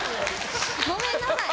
ごめんなさい。